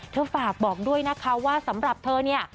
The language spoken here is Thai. ฝากบอกด้วยนะคะว่าสำหรับเธอเนี่ย